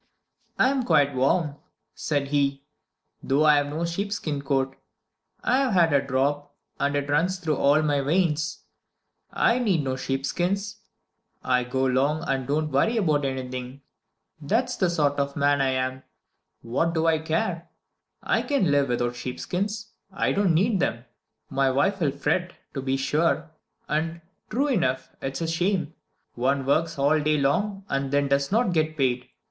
I "I'm quite warm," said he, "though I have no sheep skin coat. I've had a drop, and it runs through all my veins. I need no sheep skins. I go along and don't worry about anything. That's the sort of man I am! What do I care? I can live without sheep skins. I don't need them. My wife will fret, to be sure. And, true enough, it is a shame; one works all day long, and then does not get paid.